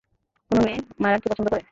কোনো মেয়ে মারানকে পছন্দ করে?